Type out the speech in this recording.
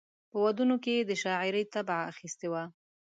په ودونو کې یې د شاعرۍ طبع اخیستې وه.